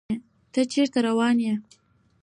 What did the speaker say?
ته چيرته روان يې